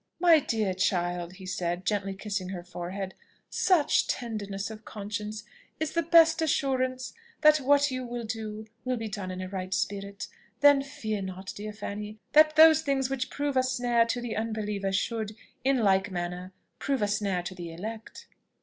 "My dear child," he said; gently kissing her forehead, "such tenderness of conscience is the best assurance that what you will do will be done in a right spirit. Then fear not, dear Fanny, that those things which prove a snare to the unbeliever should, in like manner, prove a snare to the elect."